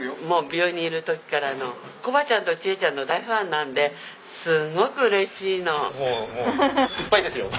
もう病院にいる時からのこばちゃんと千恵ちゃんの大ファンなんですごく嬉しいの。